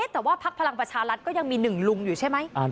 แต่ว่าพักพลังประชารัฐก็ยังมี๑ลุงอยู่ใช่ไหม